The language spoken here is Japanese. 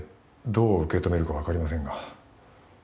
どう受け止めるか分かりませんが